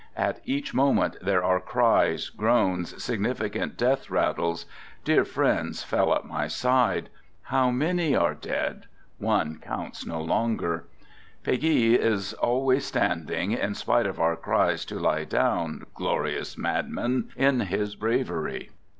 At each moment there are cries, groans, significant death rattles; dear friends fell at my side. How many are dead? One counts no longer. Peguy is always standing, in spite of our cries to " Lie down! " glorious madman, in his bravery.